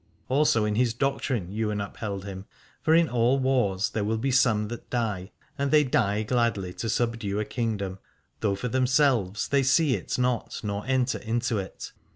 Also in his doctrine Ywain upheld him : for in all wars there will be some that die, and they die gladly to subdue a kingdom, though for themselves they see 222 Aladore it not nor enter into it.